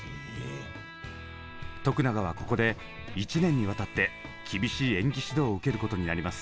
永はここで１年にわたって厳しい演技指導を受けることになります。